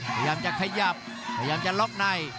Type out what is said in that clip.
พยายามจะขยับล็อบไหน